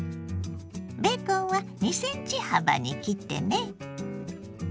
ベーコンは２ｃｍ幅に切ってね。